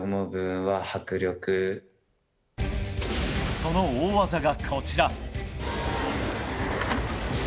その大技がこちら。